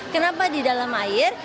kenapa di dalam air